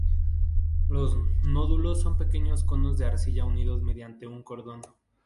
Los nódulos son pequeños conos de arcilla unidos mediante un cordón.